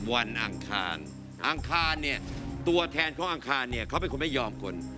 อังคารอังคารเนี่ยตัวแทนของอังคารเนี่ยเขาเป็นคนไม่ยอมคน